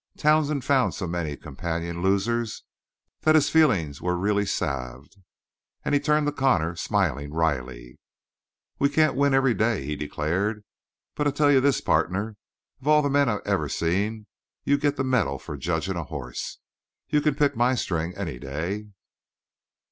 Townsend found so many companion losers that his feelings were readily salved, and he turned to Connor, smiling wryly. "We can't win every day," he declared, "but I'll tell you this, partner; of all the men I ever seen, you get the medal for judgin' a hoss. You can pick my string any day."